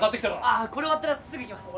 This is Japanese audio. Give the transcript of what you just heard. これ終わったらすぐ行きます。